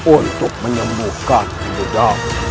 untuk menyembuhkan ibu anda